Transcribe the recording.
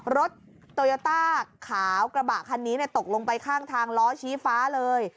รถโตโยต้าขาวกระบะคันนี้ตกลงไปข้างทางล้อชี้ฟ้าเลย